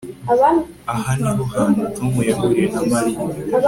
Aha niho hantu Tom yahuriye na Mariya